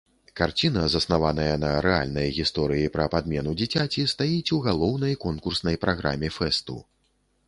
Карціна, заснаваная на рэальнай гісторыі пра падмену дзіцяці, стаіць у галоўнай конкурснай праграме фэсту.